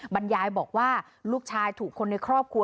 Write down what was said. บรรยายบอกว่าลูกชายถูกคนในครอบครัว